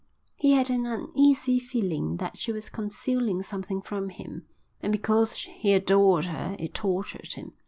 He had an uneasy feeling that she was concealing something from him, and because he adored her it tortured him.